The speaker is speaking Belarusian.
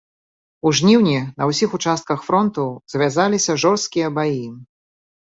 У жніўні на ўсіх участках фронту завязаліся жорсткія баі.